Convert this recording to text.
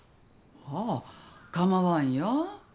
ああ構わんよ。